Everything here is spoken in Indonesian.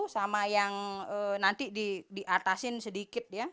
sama yang nanti diatasin sedikit ya